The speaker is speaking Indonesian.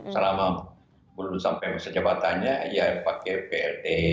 selama belum sampai masa jabatannya ya pakai plt